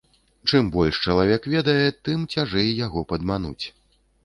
Чым больш чалавек ведае, тым цяжэй яго падмануць.